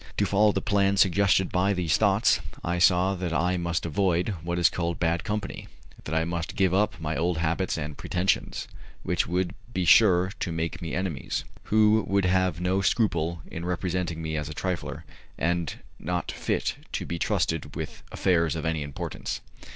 To follow the plans suggested by these thoughts, I saw that I must avoid what is called bad company, that I must give up my old habits and pretensions, which would be sure to make me enemies, who would have no scruple in representing me as a trifler, and not fit to be trusted with affairs of any importance.